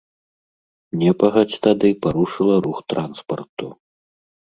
Непагадзь тады парушыла рух транспарту.